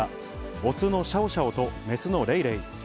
雄のシャオシャオと雌のレイレイ。